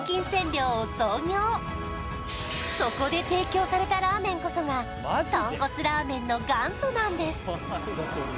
両を創業そこで提供されたラーメンこそが豚骨ラーメンの元祖なんです